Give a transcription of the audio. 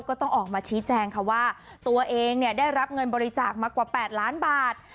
ก็ต้องออกมาชี้แจงค่ะว่าตัวเองเนี่ยได้รับเงินบริจาคมากว่า๘ล้านบาท